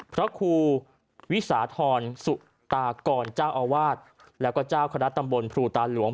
พระครูวิสาธรสุตากรเจ้าอาวาสแล้วก็เจ้าคณะตำบลภูตาหลวง